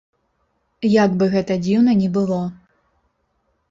Як бы гэта дзіўна ні было.